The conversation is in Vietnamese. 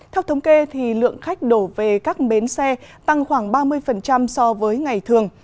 theo thống kê lượng khách đổ về các bến xe tăng khoảng ba mươi so với ngày thường